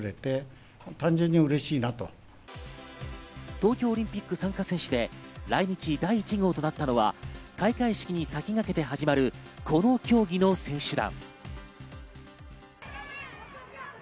東京オリンピック参加選手で来日第１号となったのは開会式に先駆けてはじまるこの競技の選手団。